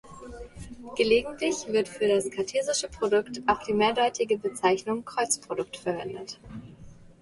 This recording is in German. Gelegentlich wird für das kartesische Produkt auch die mehrdeutige Bezeichnung „Kreuzprodukt“ verwendet.